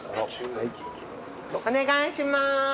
お願いします。